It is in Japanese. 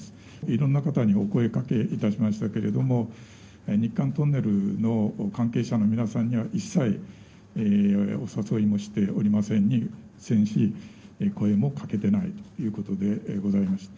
いろんな方にお声かけいたしましたけれども、日韓トンネルの関係者の皆さんには、一切、お誘いもしておりませんし、声もかけてないということでございます。